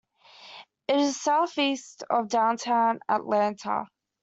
It is southeast of downtown Atlanta.